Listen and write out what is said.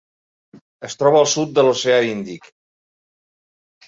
Es troba al sud de l'Oceà Índic.